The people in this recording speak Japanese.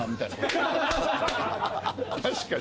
確かにね。